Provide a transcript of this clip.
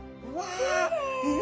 うわ！